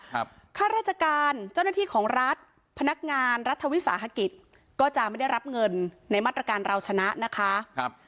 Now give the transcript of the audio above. ข้าราชการเจ้าหน้าที่ของรัฐพนักงานรัฐวิสาหกิจก็จะไม่ได้รับเงินในมาตรการเราชนะนะคะครับ